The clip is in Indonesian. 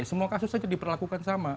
semua kasus saja diperlakukan sama